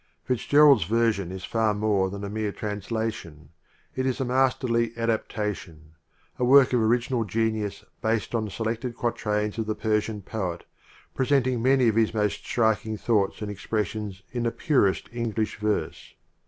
FitzGerald's version is far more than a mere translation ; it is a masterly adap tation; a work of original genius based on seletled quatrains of the Persian poet \ pre senting many of his most striking thoughts and expressions in the purest English verse.